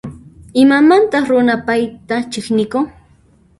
Imamantas runa payta chiqnikun?